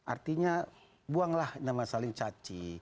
artinya buanglah nama saling caci